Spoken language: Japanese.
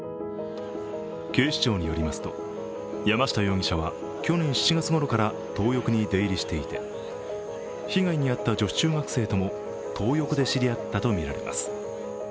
警視庁によりますと、山下容疑者は去年７月ごろからトー横に出入りしていて、被害に遭った女子中学生ともトー横で知り合ったとみられます。